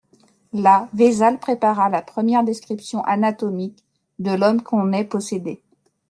Là, Vésale prépara la première description anatomique de l'homme qu'on ait possédée.